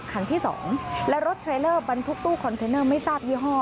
คันที่๒และรถเทรลเลอร์บรรทุกตู้คอนเทนเนอร์ไม่ทราบยี่ห้อ